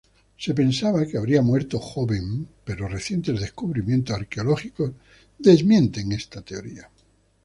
Se pensaba que habría muerto joven pero recientes descubrimientos arqueológicos desmienten esta teoría.